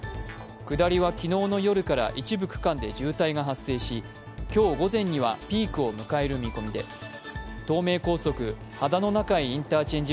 下りは昨日の夜から一部区間で渋滞が発生し、今日午前にはピークを迎える見込みで、東名高速秦野中井インターチェンジ